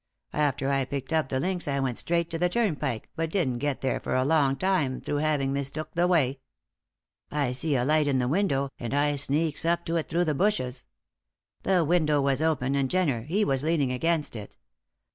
After I picked up the links I went straight to the Turnpike but didn't get there for a long time through having mistook the way. I see a light in the window, and I sneaks up to it through the bushes. The window was open and Jenner he was leaning against it.